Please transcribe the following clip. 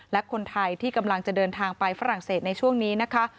และคนไทยที่กำลังจะเดินทางไปฝรั่งเศสในช่วงนี้นะคะ